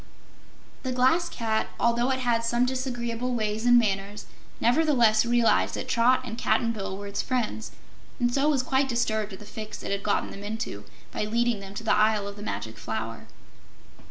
The Glass Cat, although it had some disagreeable ways and manners, nevertheless realized that Trot and Cap'n Bill were its friends and so was quite disturbed at the fix it had gotten them into by leading them to the Isle of the Magic Flower.